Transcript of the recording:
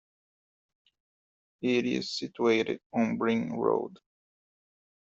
It is situated on Bryn Road.